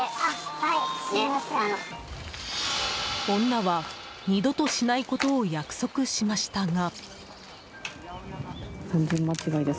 女は二度としないことを約束しましたが。